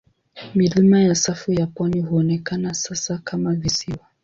Milima ya safu ya pwani huonekana sasa kama visiwa.